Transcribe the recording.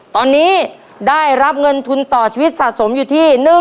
ตอนนี้ได้รับเงินทุนต่อชีวิตสะสมอยู่ที่